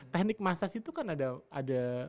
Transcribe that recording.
teknik massage itu kan ada ada